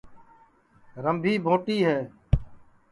رمبھی بھوٹی ہے